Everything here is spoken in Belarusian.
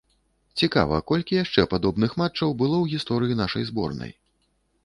Цікава, колькі яшчэ падобных матчаў было ў гісторыі нашай зборнай?